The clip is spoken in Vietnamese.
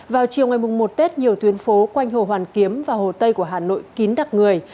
vào chiều ngày một tết nhiều tuyến phố quanh hồ hoàn kiếm và hồ tây của hà nội kín đặt người